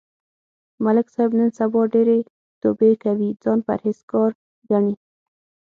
ملک صاحب نن سبا ډېرې توبې کوي، ځان پرهېز گار گڼي.